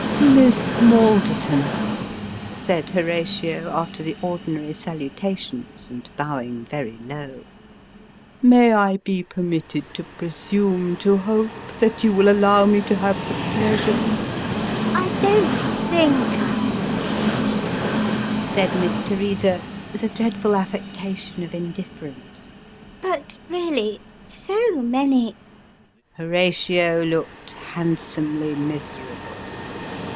" Miss Malderton," said Horatio, after the ordinary salutations, and bowing very low, " may I be permitted to presume to hope that you will allow me to have the pleasure "" I don't think I am engaged," said Miss Teresa, with a dreadful affectation of indifference " but, really so many " Horatio looked handsomely miserable.